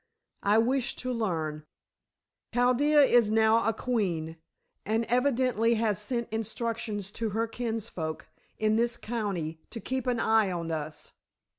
"I wish to learn. Chaldea is now a queen, and evidently has sent instructions to her kinsfolk in this county to keep an eye on us."